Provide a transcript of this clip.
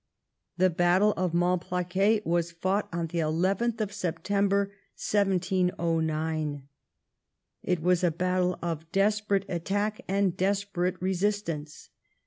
The battle of Malplaquet was fought on the 11th of September, 1709. It was a battle of desperate attack and desperate resistance.